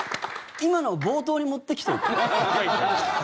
今のを冒頭に持ってきておいて。